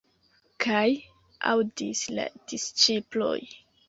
Kaj aŭdis la disĉiploj.